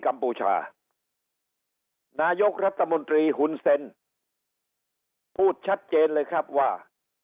ัมพูชานายกรัฐมนตรีหุ่นเซ็นพูดชัดเจนเลยครับว่า